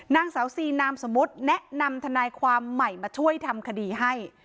นางสาวซีนามสมมุติแนะนำทนายความใหม่มาช่วยทำคดีให้